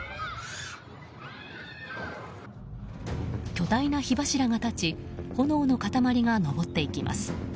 巨大な火柱が立ち炎の塊が上っていきます。